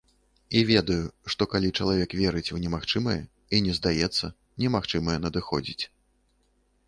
І ведаю, што калі чалавек верыць у немагчымае і не здаецца, немагчымае надыходзіць.